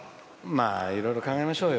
いろいろ考えましょうよ。